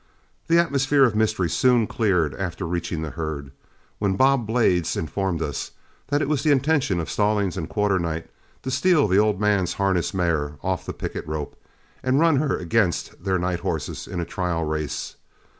The atmosphere of mystery soon cleared after reaching the herd, when Bob Blades informed us that it was the intention of Stallings and Quarternight to steal the old man's harness mare off the picket rope, and run her against their night horses in a trial race.